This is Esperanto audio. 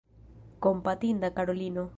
Kompatinda Karolino!